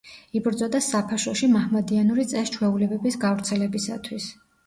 იბრძოდა საფაშოში მაჰმადიანური წეს-ჩვეულებების გავრცელებისათვის.